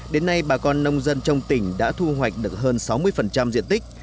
đến nay bà con nông dân trong tỉnh đã thu hoạch được hơn sáu mươi diện tích